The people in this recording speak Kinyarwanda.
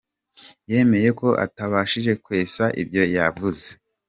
Yemeye ko atabashije kwesa ibyo yavuze.